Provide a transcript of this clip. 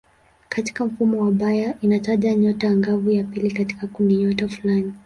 Katika mfumo wa Bayer inataja nyota angavu ya pili katika kundinyota fulani.